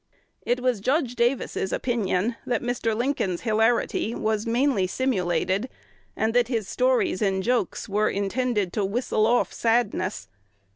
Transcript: It was Judge Davis's opinion, that Mr. Lincoln's hilarity was mainly simulated, and that "his stories and jokes were intended to whistle off sadness."